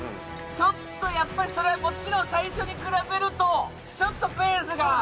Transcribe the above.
ちょっとやっぱりそれはもちろん最初に比べるとちょっとペースが。